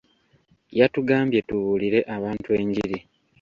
Yatugambye tubuulire abantu enjiri.